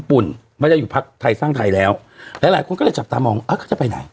คุณปุ่นไม่ได้อยู่ภักดิ์ไทยสร้างไทยแล้วแล้วหลายคนก็จะจับตามองอะเขาจะไปไหน